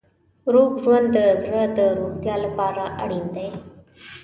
روغ ژوند د زړه د روغتیا لپاره اړین دی.